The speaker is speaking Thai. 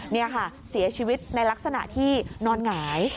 นี่ค่ะเสียชีวิตในลักษณะที่นอนหงาย